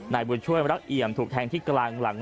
นายบุญช่วยรักเอี่ยมถูกแทงที่กลางหลัง